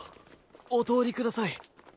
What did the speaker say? お通りください。